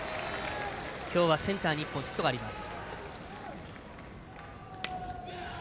今日はセンターに２本ヒットがあります。